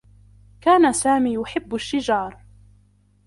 كان سامي يحبّ الشّجار.